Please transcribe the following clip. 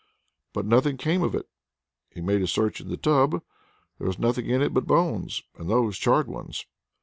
But nothing came of it. He made a search in the tub. There was nothing in it but bones, and those charred ones.